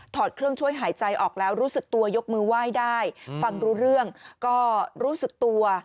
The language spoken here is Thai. ถอดเครื่องช่วยหายใจออกแล้วรู้สึกตัวยกมือไหว้ได้ฟังรู้เรื่องก็รู้สึกตัว